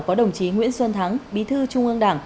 có đồng chí nguyễn xuân thắng bí thư trung ương đảng